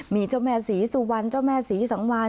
มีเจ้าแม่ศรีสุวรรณเจ้าแม่ศรีสังวาน